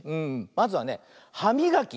まずはねはみがき。